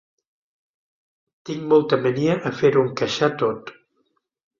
Tinc molta mania a fer-ho encaixar tot.